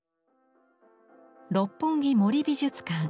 六本木森美術館。